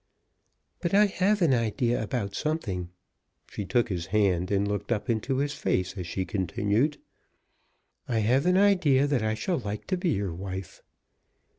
"But I have an idea about something." She took his hand, and looked up into his face as she continued. "I have an idea that I shall like to be your wife."